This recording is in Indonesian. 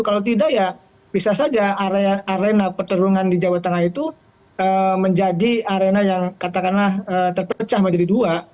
kalau tidak ya bisa saja arena perterungan di jawa tengah itu menjadi arena yang katakanlah terpecah menjadi dua